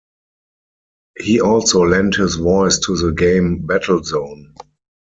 He also lent his voice to the game "Battlezone".